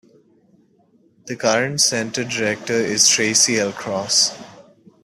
The current center director is Tracy L. Cross.